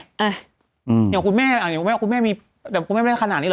อย่างคุณแม่คนอย่างคุณแม่มีคุณแม่ไม่ได้ขนาดนี้หรอ